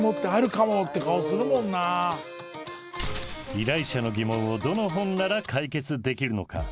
依頼者の疑問をどの本なら解決できるのか。